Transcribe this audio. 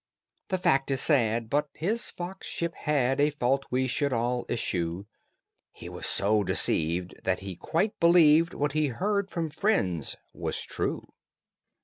The fact is sad, but his foxship had A fault we should all eschew: He was so deceived that he quite believed What he heard from friends was true.